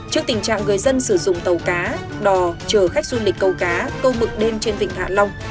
trước tình trạng người dân sử dụng tàu cá đò chở khách du lịch cầu cá câu mực đêm trên vịnh hạ long